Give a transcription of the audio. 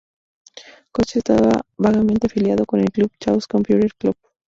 Koch estaba vagamente afiliado con el Chaos Computer Club.